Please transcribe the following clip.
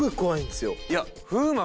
いや。